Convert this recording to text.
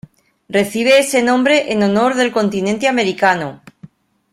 Recibe ese nombre en honor del continente americano.